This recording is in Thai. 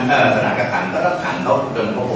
น้องโบราณอยู่เอ่อน้องโบราณอยู่เอ่อน้องโบราณอยู่